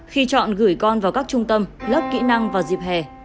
khi chọn gửi con vào các trung tâm lớp kỹ năng vào dịp hè